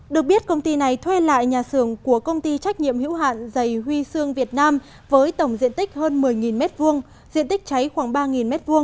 được biết công ty này thuê lại nhà xưởng của công ty trách nhiệm hữu hạn dày huy sương việt nam với tổng diện tích hơn một mươi m hai diện tích cháy khoảng ba m hai